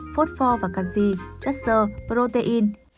phốt pho và canxi chất sơ protein